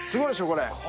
これ。